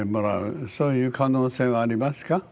そういう可能性はありますか？